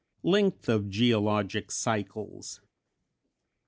] _Length of Geologic Cycles.